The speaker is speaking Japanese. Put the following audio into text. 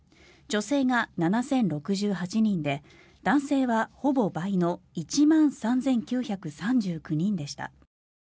女性が７０６８人で男性は、ほぼ倍の１万３９３９人でした。